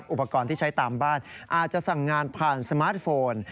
อุปกรณ์ที่ใช้ตามบ้านอาจจะสั่งงานผ่านสมาร์ทโฟน